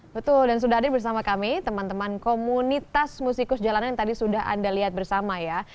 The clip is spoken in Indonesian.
betul dan sudah ada bersama kami teman teman komunitas musikus jalanan yang tadi sudah anda lihat bersama ya